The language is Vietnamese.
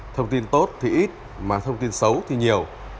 thông tin tốt thì ít mà thông tin xấu thì nhiều